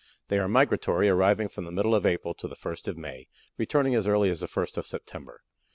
They are migratory, arriving from the middle of April to the first of May, returning as early as the first of September.